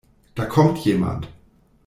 Da kommt jemand.